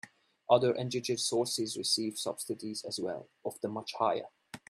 Other engergy sources receive subsidies as well, often much higher.